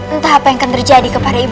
entah apa yang akan terjadi kepada ibu